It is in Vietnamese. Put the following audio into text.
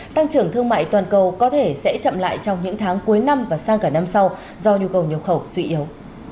tăng trưởng thương mại toàn cầu có thể sẽ chậm lại trong những tháng cuối năm và sang cả năm sau do nhu cầu nhập khẩu suy yếu